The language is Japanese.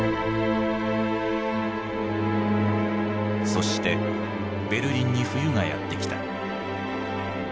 そしてベルリンに冬がやって来た。